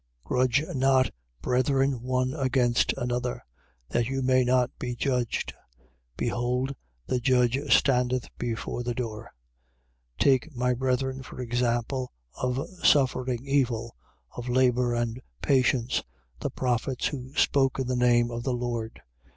5:9. Grudge not, brethren, one against another, that you may not be judged. Behold the judge standeth before the door. 5:10. Take, my brethren, for example of suffering evil, of labour and patience, the prophets who spoke in the name of the Lord.